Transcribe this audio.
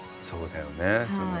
そうだよね。